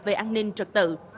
về an ninh trực tự